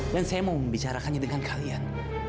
dan saya mau membicarakannya dengan kalian